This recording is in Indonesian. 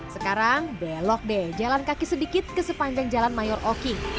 sekarang belok deh jalan kaki sedikit ke sepanjang jalan mayor oki